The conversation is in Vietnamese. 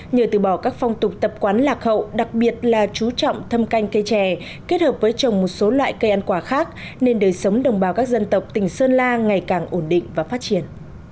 nhờ từ bỏ các phong tục tập quán lạc hậu đặc biệt là chú trọng thâm canh cây trè kết hợp với trồng một số loại cây ăn quả khác nên đời sống đồng bào các dân tộc tỉnh sơn la ngày càng ổn định và phát triển